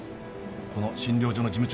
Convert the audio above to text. この診療所の事務長。